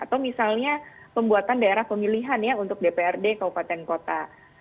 atau misalnya pembuatan daerah pemilihan ya untuk dprd kabupaten kota